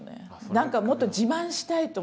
何かもっと自慢したいと思って。